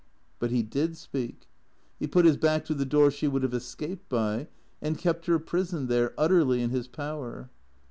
But he did speak. He put his back to the door she would have escaped by, and kept her prisoned there, utterly in his power.